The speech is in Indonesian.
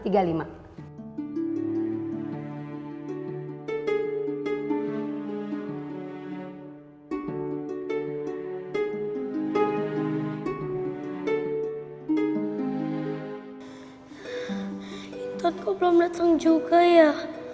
intan kok belum dateng juga ya